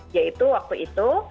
yaitu waktu itu